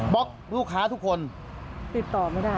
ล็อกลูกค้าทุกคนติดต่อไม่ได้